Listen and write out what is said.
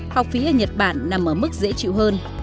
học phí ở nhật bản nằm ở mức dễ chịu hơn